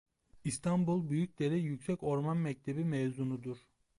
İstanbul Büyükdere Yüksek Orman Mektebi mezunudur.